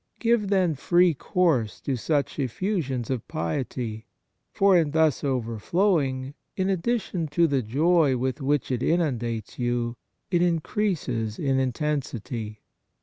Give, then, free course to such effusions of piety ; for in thus overflowing, in addition to the joy with which it inundates you, it increases in intensity.